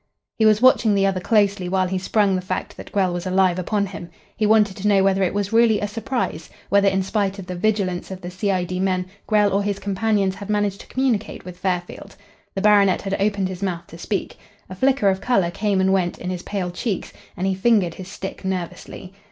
He was watching the other closely while he sprung the fact that Grell was alive upon him. He wanted to know whether it was really a surprise, whether in spite of the vigilance of the C.I.D. men Grell or his companions had managed to communicate with Fairfield. The baronet had opened his mouth to speak. A flicker of colour came and went in his pale cheeks, and he fingered his stick nervously.